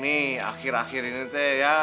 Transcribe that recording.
nih akhir akhir ini saya ya